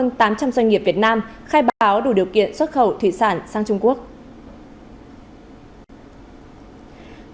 hơn tám trăm linh doanh nghiệp việt nam khai báo đủ điều kiện xuất khẩu thủy sản sang trung quốc